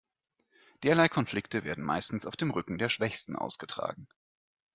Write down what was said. Derlei Konflikte werden meistens auf dem Rücken der Schwächsten ausgetragen.